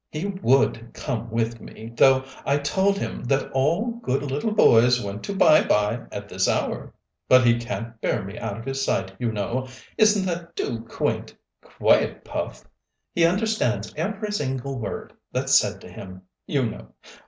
He would come with me, though I told him that all good little boys went to bye bye at this hour; but he can't bear me out of his sight, you know. Isn't that too quaint? Quiet, Puff! He understands every single word that's said to him, you know.